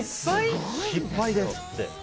失敗ですって。